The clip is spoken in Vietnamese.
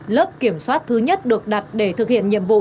lớp kiểm soát thứ nhất được đặt để thực hiện nhiệm vụ